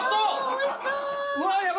おいしそう！